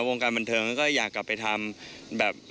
วงการบรรเทิงเขาก็อยากกลับไปทำ